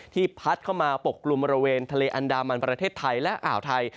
พัดเข้ามาปกกลุ่มบริเวณทะเลอันดามันประเทศไทยและอ่าวไทย